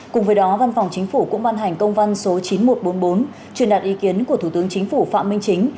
cùng với đó văn phòng chính phủ cũng ban hành công văn số chín nghìn một trăm bốn mươi bốn truyền đạt ý kiến của thủ tướng chính phủ phạm minh chính